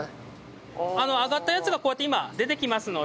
揚がったやつがこうやって今出てきますので。